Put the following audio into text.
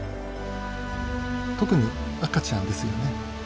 特に赤ちゃんですよね。